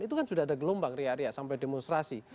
itu kan sudah ada gelombang ria ria sampai demonstrasi